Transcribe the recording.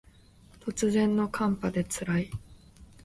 突然の寒波で辛い